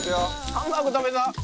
ハンバーグ食べた。